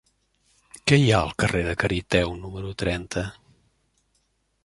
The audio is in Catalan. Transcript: Què hi ha al carrer de Cariteo número trenta?